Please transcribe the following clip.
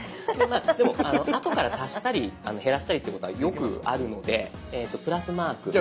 でもあとから足したり減らしたりっていうことはよくあるのでプラスマークマイナスマーク。